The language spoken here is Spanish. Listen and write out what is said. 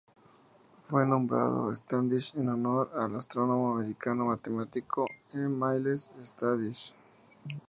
Fue nombrado Standish en honor al astrónomo americano y matemático E Myles Standish Jr.